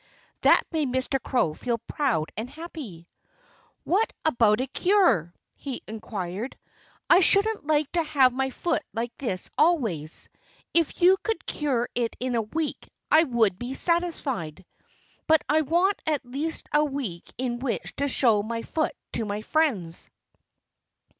That made Mr. Crow feel proud and happy. "What about a cure?" he inquired. "I shouldn't like to have my foot like this always. If you could cure it in a week I would be satisfied. But I want at least a week in which to show my foot to my friends."